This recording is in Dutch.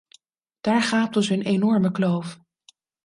Daar gaapt dus een enorme kloof.